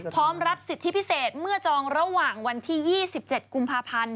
พร้อมรับสิทธิพิเศษเมื่อจองระหว่างวันที่๒๗กุมภาพันธ์